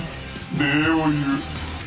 礼を言う。